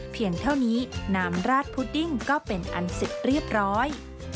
เพียงเท่านี้น้ำราดพุดดิ้งก็เป็นอันเสร็จเรียบร้อย